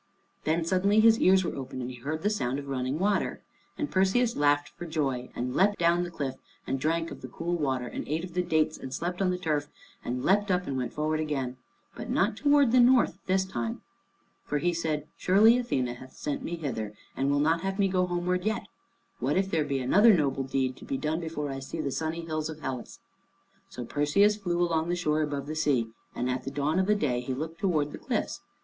Then suddenly his ears were opened and he heard the sound of running water. And Perseus laughed for joy, and leapt down the cliff and drank of the cool water, and ate of the dates, and slept on the turf, and leapt up and went forward again, but not toward the north this time. For he said, "Surely Athene hath sent me hither, and will not have me go homeward yet. What if there be another noble deed to be done before I see the sunny hills of Hellas?" So Perseus flew along the shore above the sea, and at the dawn of a day he looked towards the cliffs.